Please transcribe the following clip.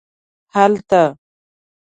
هلته